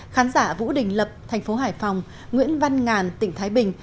khán giả vũ đình lập thành phố hải phòng nguyễn văn ngàn tỉnh thái bình